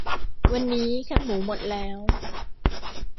วันนี้แคบหมูหมดแล้ว